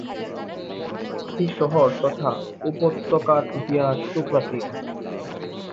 এই শহর তথা উপত্যকার ইতিহাস সুপ্রাচীন।